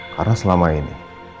karena selama ini